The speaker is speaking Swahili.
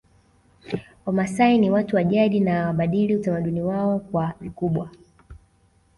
Wamasai ni watu wa jadi na hawabadili utamaduni wao kwa vikubwa